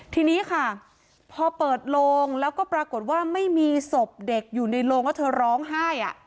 ทีนี้ค่ะพอเปิดโลงแล้วก็ปรากฏว่าไม่มีศพเด็กอยู่ในโรงแล้วเธอร้องไห้